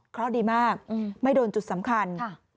เพราะดีมากไม่โดนจุดสำคัญ